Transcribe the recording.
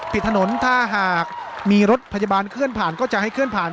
ปิดถนนถ้าหากมีรถพยาบาลเคลื่อนผ่านก็จะให้เคลื่อนผ่าน